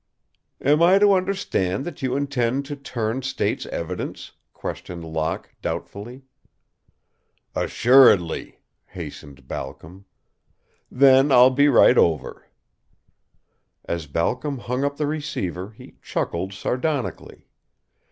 "Am I to understand that you intend to turn state's evidence?" questioned Locke, doubtfully. "Assuredly," hastened Balcom. "Then I'll be right over." As Balcom hung up the receiver he chuckled sardonically.